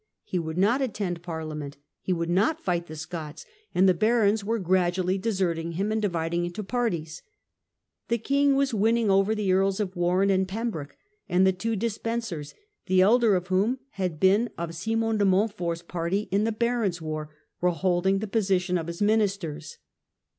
He would not attend Parliament, he would not fight the Scots, and the barons were gradually deserting him and dividing into parties. The king was winning over the Earls of Warenne and Pembroke; and the two Despensers, the elder of whom had been of Simon de Montfort's party in the Barons' war, were hold ing the position of his ministers.